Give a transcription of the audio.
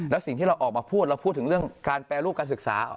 แล้วสิ่งที่เราออกมาพูดเราพูดถึงเรื่องการแปรรูปการศึกษา